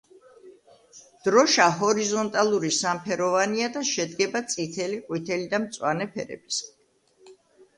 დროშა ჰორიზონტალური სამფეროვანია და შედგება წითელი, ყვითელი და მწვანე ფერებისგან.